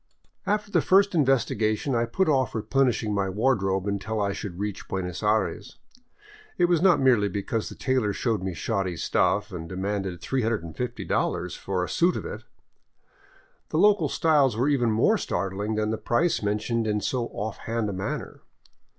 After the first investigation I put off replenishing my wardrobe un til I should reach Buenos Aires. It was not merely because the tailor showed me shoddy stuff and demanded $350 for a suit of it! The local styles were even more startling than the price mentioned in so off hand a manner.